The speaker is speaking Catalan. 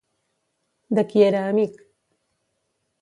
De qui era amic?